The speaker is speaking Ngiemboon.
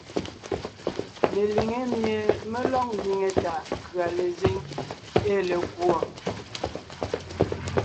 Meliŋé mie mé lɔg ndiŋe taʼ nkʉ̀a lezíŋ ée lekùɔ.